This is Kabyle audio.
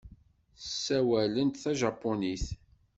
Ssawalent tajapunit.